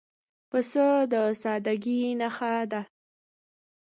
پسه د سادګۍ نښه ده.